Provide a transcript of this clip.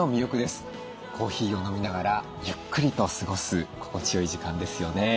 コーヒーを飲みながらゆっくりと過ごす心地よい時間ですよね。